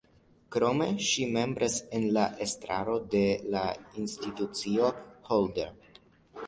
Krome ŝi membras en la estraro de la Institucio Hodler.